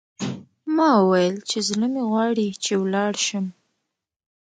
ما وویل چې، زړه مې غواړي چې ولاړ شم.